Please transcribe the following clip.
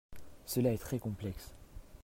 Cela est trés complexe.